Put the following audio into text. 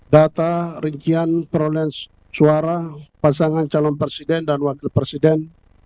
data rincian perolehan suara pasangan calon presiden dan wakil presiden